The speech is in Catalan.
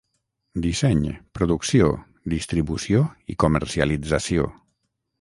Disseny, producció, distribució i comercialització.